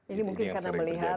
ini mungkin karena melihat